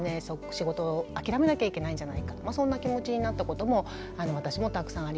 仕事を諦めなきゃいけないんじゃないかそんな気持ちになったことも私もたくさんあります。